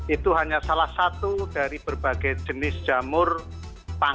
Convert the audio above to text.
itu hanya salah satu dari berbagai jenis jamur pangan atau edible mushroom